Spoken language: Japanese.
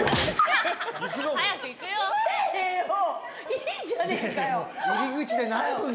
いいじゃねえかよ。